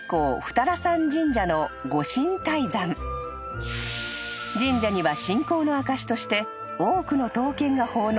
［神社には信仰の証しとして多くの刀剣が奉納されており］